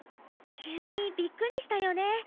急にびっくりしたよね。